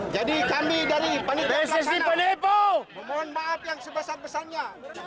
jadi kami dari panitia pelaksanaan memohon maaf yang sebesar besarnya